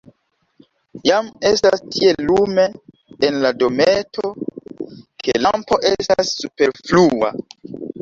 Jam estas tiel lume en la dometo, ke lampo estas superflua.